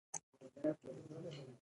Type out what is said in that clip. د خدای دوستانو په برکت.